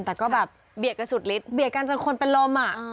แต่ก็แบบเบียดกันจนคนเป็นลมอ่ะเบียดกันจนคนเป็นลมอ่ะ